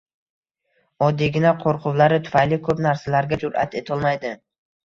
Oddiygina qo’rquvlari tufayli ko’p narsalarga jur’at etolmaydi.